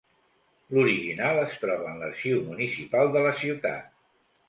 L'original es troba en l'Arxiu Municipal de la ciutat.